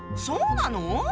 そうなの？